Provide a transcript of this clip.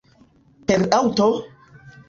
Per aŭto?